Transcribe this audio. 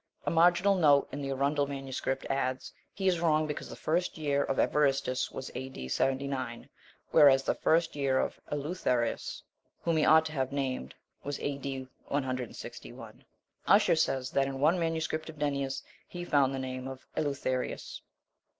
A marginal note in the Arundel MS. adds, "He is wrong, because the first year of Evaristus was A.D. 79, whereas the first year of Eleutherius, whom he ought to have named, was A.D. 161." Usher says, that in one MS. of Nennius he found the name of Eleutherius.